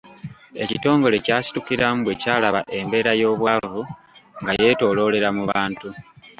Ekitongole kyasitukiramu bwe kyalaba embeera y'obwavu nga yeetooloolera mu bantu.